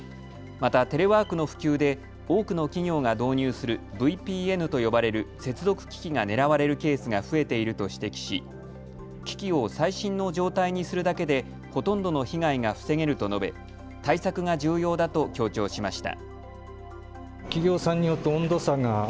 またテレワークの普及で多くの企業が導入するＶＰＮと呼ばれる接続機器が狙われるケースが増えていると指摘し機器を最新の状態にするだけでほとんどの被害が防げると述べ対策が重要だと強調しました。